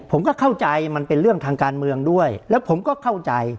ผมก็เข้าใจมันเป็นเรื่องทางการเมืองด้วยแล้วผมก็เข้าใจ